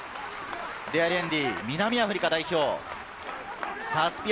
デアリエンディは南アフリカ代表です。